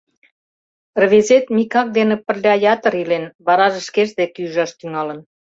Рвезет Микак дене пырля ятыр илен, вараже шкеж дек ӱжаш тӱҥалын.